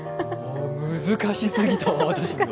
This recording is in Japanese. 難しすぎた、私には。